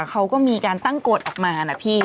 เขาก็มีการตั้งกฎออกมานะพี่